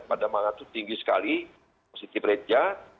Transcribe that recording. pandemangan itu tinggi sekali positif reja